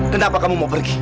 kenapa kamu mau pergi